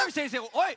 おい！